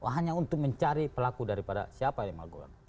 hanya untuk mencari pelaku daripada siapa yang melakukan